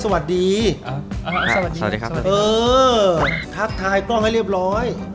สวัสดีนะครับสวัสดีเออทักทายกล้องให้เรียบร้อย